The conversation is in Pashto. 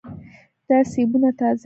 دا سیبونه تازه دي.